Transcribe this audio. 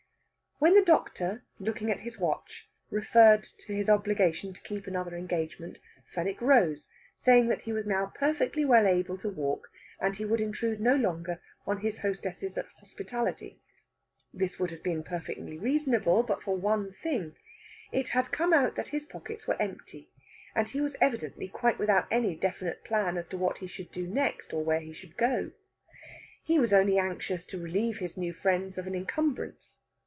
When the doctor, looking at his watch, referred to his obligation to keep another engagement, Fenwick rose, saying that he was now perfectly well able to walk, and he would intrude no longer on his hostesses' hospitality. This would have been perfectly reasonable, but for one thing. It had come out that his pockets were empty, and he was evidently quite without any definite plan as to what he should do next, or where he should go. He was only anxious to relieve his new friends of an encumbrance.